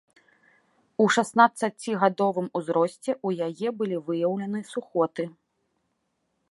У шаснаццацігадовым узросце ў яе былі выяўлены сухоты.